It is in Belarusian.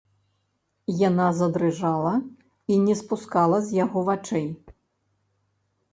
Яна задрыжала і не спускала з яго вачэй.